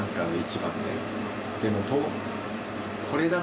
でも。